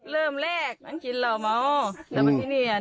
เริ่มแรกมันกินแล้วเมาส์อืมแล้วก็ที่นี่อัน